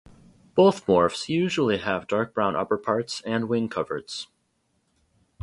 Both morphs usually have dark brown upper parts and wing coverts.